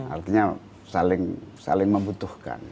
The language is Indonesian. artinya saling membutuhkan